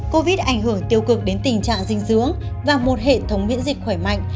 covid một mươi chín ảnh hưởng tiêu cực đến tình trạng dinh dưỡng và một hệ thống miễn dịch khỏe mạnh